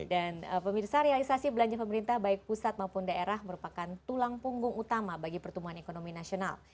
dan pemirsa realisasi belanja pemerintah baik pusat maupun daerah merupakan tulang punggung utama bagi pertumbuhan ekonomi nasional